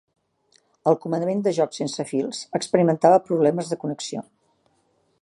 El comandament de joc sense fils experimentava problemes de connexió.